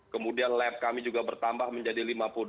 kemudian lab kami juga bertambah menjadi lima puluh delapan